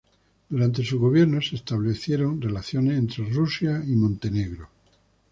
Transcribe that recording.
Durante su gobierno se establecieron relaciones entre Rusia y Montenegro.